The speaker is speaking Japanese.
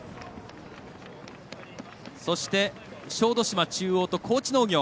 そして小豆島中央と高知農業。